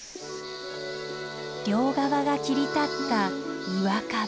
両側が切り立った岩壁。